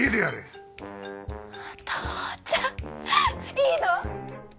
いいの！？